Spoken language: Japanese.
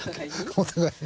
お互いに。